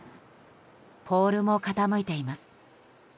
ポールも傾いています。